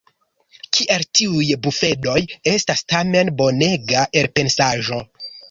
Kiel tiuj bufedoj estas tamen bonega elpensaĵo!